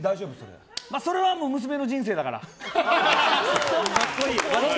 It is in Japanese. それは娘の人生だから。